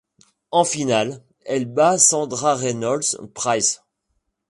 En finale, elle bat Sandra Reynolds Price.